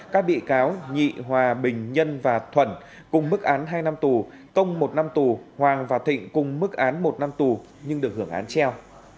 các bị cáo nhị hòa bình nhân và thuận cùng mức án hai năm tù công một năm tù hoàng và thịnh cùng mức án một năm tù nhưng được hưởng án treo